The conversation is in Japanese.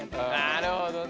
なるほどね。